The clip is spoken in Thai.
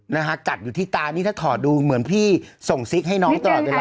นะฮะกัดอยู่ที่ตานี่ถ้าถอดดูเหมือนพี่ส่งซิกให้น้องตลอดเวลา